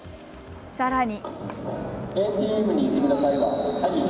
さらに。